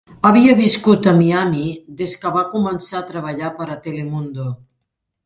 Havia viscut a Miami des que va començar a treballar per a Telemundo.